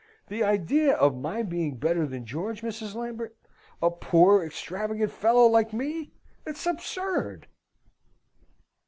The idea of my being better than George, Mrs. Lambert! a poor, extravagant fellow like me! It's absurd!"